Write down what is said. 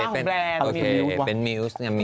เป็นนางฟ้าของแบรนด์